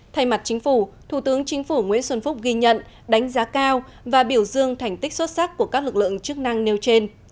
thay mặt chính phủ thủ tướng chính phủ nguyễn xuân phúc ghi nhận đánh giá cao và biểu dương thành tích xuất sắc của các lực lượng chức năng nêu trên